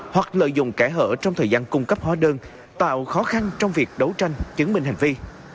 hoặc lợi dụng kẻ hở trong thời gian cung cấp hóa đơn tạo khó khăn trong việc đấu tranh chứng minh hành vi